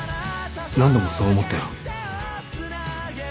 何度もそう思ったよ。